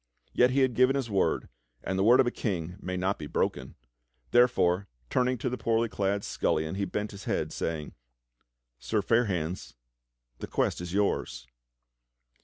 Yet he had given his word, and the w^ord of a King may not be broken; therefore, turning to the poorly clad scullion, he bent his head, saying: "Sir Fair hands, the quest is yours."